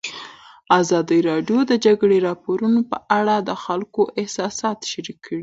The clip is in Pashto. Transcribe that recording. ازادي راډیو د د جګړې راپورونه په اړه د خلکو احساسات شریک کړي.